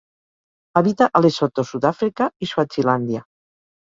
Habita a Lesotho, Sud-àfrica i Swazilàndia.